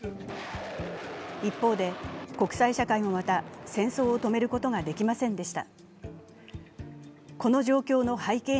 一方で、国際社会もまた戦争を止めることができませんでした。